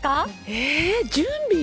えっ？準備？